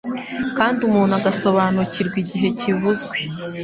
kandi umuntu agasobanukirwa igihe kivuzwe.